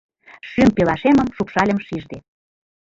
Шӱм пелашемым шупшальым шижде.